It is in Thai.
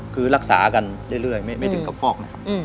คือรักษากันเรื่อยไม่ถึงกับฟอกนะครับ